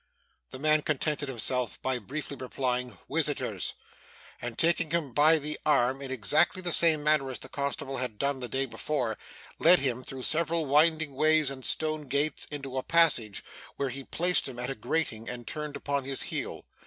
The man contented himself by briefly replying 'Wisitors;' and taking him by the arm in exactly the same manner as the constable had done the day before, led him, through several winding ways and strong gates, into a passage, where he placed him at a grating and turned upon his heel.